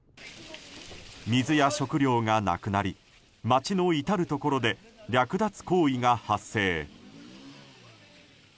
水や食料がなくなり街の至るところで略奪行為が発生。